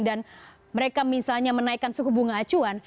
dan mereka misalnya menaikkan suhu bunga acuan